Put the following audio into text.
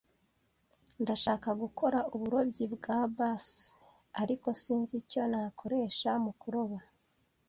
Ndashaka gukora uburobyi bwa bass, ariko sinzi icyo nakoresha mu kuroba.